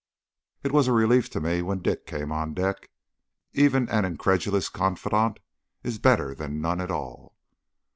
It was a relief to me when Dick came on deck. Even an incredulous confidant is better than none at all.